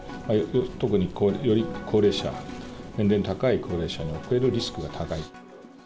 特により高齢者、年齢が高い高齢者におけるリスクが高い。